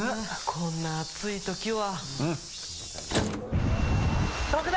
こんな暑いときは。